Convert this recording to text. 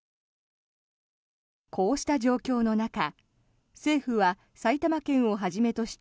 こうした状況の中政府は埼玉県をはじめとした